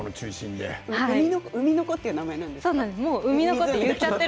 うみのこという名前なんですね。